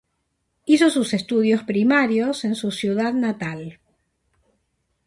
Hizo sus estudios primarios en su ciudad natal.